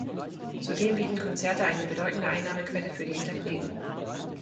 Zudem bieten Konzerte eine bedeutende Einnahmequelle für die Interpreten.